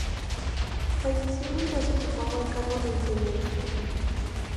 Falleció mientras ocupaba el cargo de intendente.